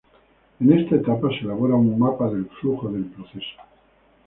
En esta etapa se elabora un mapa del flujo del proceso.